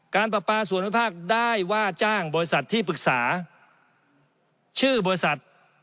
ประปาส่วนวิภาคได้ว่าจ้างบริษัทที่ปรึกษาชื่อบริษัท